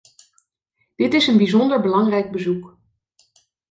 Dit is een bijzonder belangrijk bezoek.